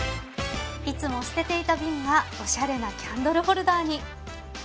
いつも捨てていた瓶がおしゃれなキャンドルホルダーに